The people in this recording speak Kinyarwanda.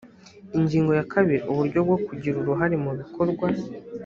ingingo ya kabiri uburyo bwo kugira uruhare mubikorwa